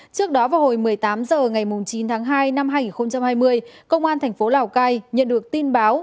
trước đó vào hồi một mươi tám h ngày chín tháng hai năm hai nghìn hai mươi công an thành phố lào cai nhận được tin báo